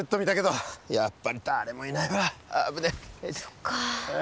そっかあ。